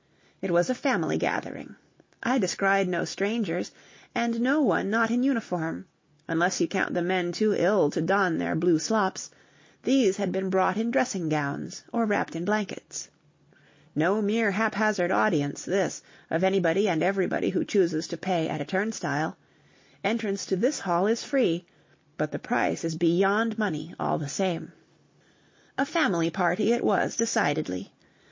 It was a family gathering. I descried no strangers, and no one not in uniform unless you count the men too ill to don their blue slops: these had been brought in dressing gowns or wrapped in blankets. No mere haphazard audience, this, of anybody and everybody who chooses to pay at a turnstile! Entrance to this hall is free ... but the price is beyond money, all the same. A family party it was, decidedly.